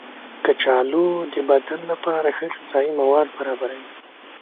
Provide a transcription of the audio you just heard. کچالو د بدن لپاره ښه غذايي مواد برابروي.